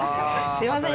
すいません